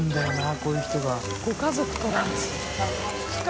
こういう人が朝日）